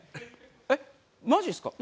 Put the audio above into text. えっマジっすか？